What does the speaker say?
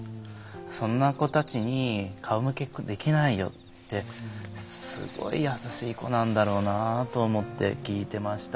そんな子たちに顔向けできないよってすごく優しい子なんだなと思って聞いてました。